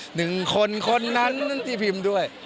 หนึ่งคนคนนั้นที่พิมพ์ด้วย